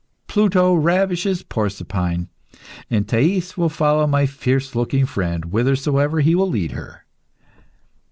Pluto ravishes Proserpine, and Thais will follow my fierce looking friend whithersoever he will lead her."